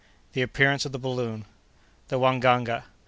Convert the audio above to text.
—The Appearance of the Balloon.—The Wangaga.